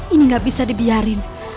ini nggak bisa dibiarin